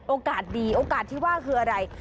โอกาสดีโอกาสที่ว่าคืออะไร